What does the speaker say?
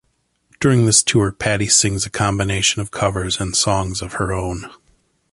During this tour, Patti sings a combination of covers and songs of her own.